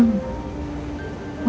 enggak cuma minta ruang